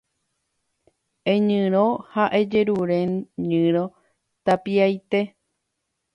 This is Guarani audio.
Eñyrõ ha ejerure ñyrõ tapiaite